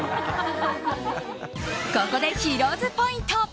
ここでヒロ’ｓポイント。